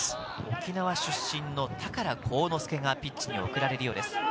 沖縄出身の高良幸之介がピッチに送られるようです。